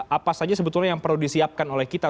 apa saja sebetulnya yang perlu disiapkan oleh kita